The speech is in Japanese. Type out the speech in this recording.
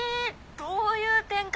どういう展開？